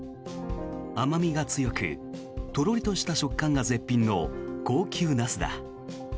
甘味が強くとろりとした食感が絶品の高級ナスだ。